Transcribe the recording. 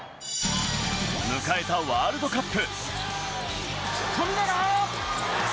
迎えたワールドカップ。